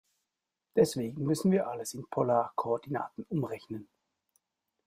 Deswegen müssen wir alles in Polarkoordinaten umrechnen.